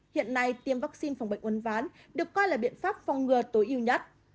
hiện nay tiêm vaccine phòng bệnh uốn ván được coi là biện pháp phòng ngừa tối ưu nhất